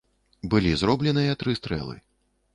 Былі зробленыя тры стрэлы.